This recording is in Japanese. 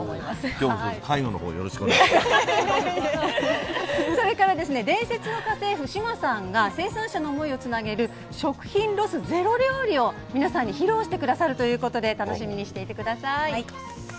きょうもひとつ、介護のほうそれからですね、伝説の家政婦、志麻さんが生産者の思いをつなげる食品ロスゼロ料理を皆さんに披露してくださるということなので、楽しみにしていてください。